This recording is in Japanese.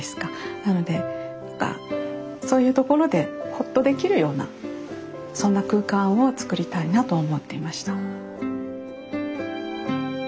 なのでそういうところでホッとできるようなそんな空間を作りたいなと思っていました。